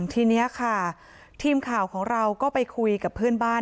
ทีนี้ค่ะทีมข่าวของเราก็ไปคุยกับเพื่อนบ้าน